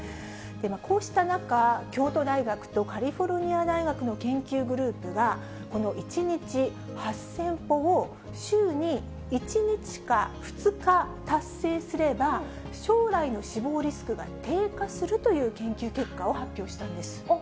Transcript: こうした中、京都大学とカリフォルニア大学の研究グループが、この１日８０００歩を週に１日か２日達成すれば、将来の死亡リスクが低下するという研究結果を発表したんです。